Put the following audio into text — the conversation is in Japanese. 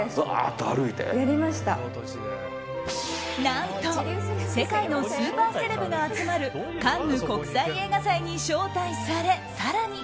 何と世界のスーパーセレブが集まるカンヌ国際映画祭に招待され更に。